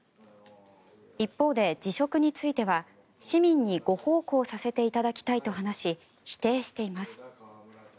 一方で、辞職については市民にご奉公させていただきたいと話し否定しています。